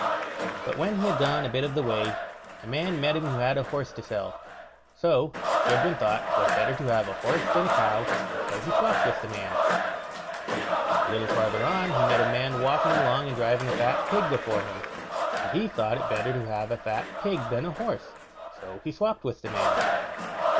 But when he had gone a bit of the way, a man met him who had a horse to sell, so Gudbrand thought 'twas better to have a horse than a cow, so he swopped with the man. A little farther on he met a man walking along and driving a fat pig before him, and he thought it better to have a fat pig than a horse, so he swopped with the man.